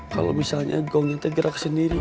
kalo misalnya gongnya tergerak sendiri